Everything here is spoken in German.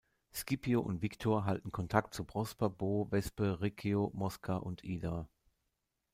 Scipio und Victor halten Kontakt zu Prosper, Bo, Wespe, Riccio, Mosca und Ida.